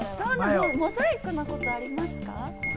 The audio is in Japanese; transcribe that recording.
モザイクなことありますか？